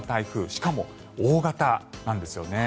しかも大型なんですよね。